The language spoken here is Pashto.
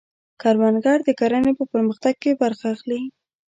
کروندګر د کرنې په پرمختګ کې برخه اخلي